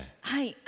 はい。